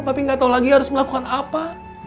papih gak tahu lagi harus melakukan apa